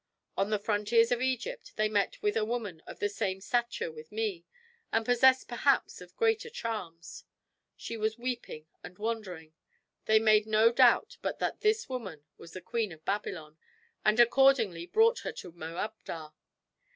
On the frontiers of Egypt they met with a woman of the same stature with me, and possessed perhaps of greater charms. She was weeping and wandering. They made no doubt but that this woman was the Queen of Babylon and accordingly brought her to Moabdar.